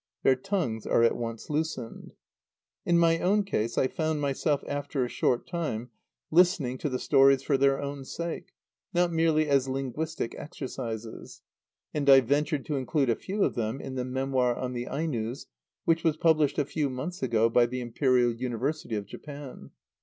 Their tongues are at once loosened. In my own case, I found myself, after a short time, listening to the stories for their own sake, not merely as linguistic exercises; and I ventured to include a few of them in the "Memoir on the Ainos" which was published a few months ago by the Imperial University of Japan.